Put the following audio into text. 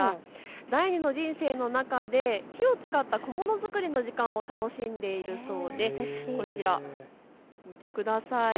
第２の人生の中で木を使った小物作りの時間を楽しんでいるそうでこちら、見てください。